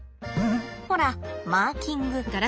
ほらマーキング。